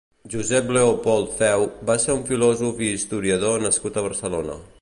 Josep Leopold Feu va ser un filòsof i historiador nascut a Barcelona.